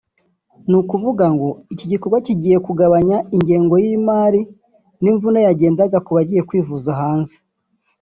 ni ukuvuga ngo iki gikorwa kigiye kugabanya ingengo y’imari n’imvune yagendaga ku bagiye kwivuza hanze